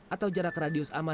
atau jarak radius aman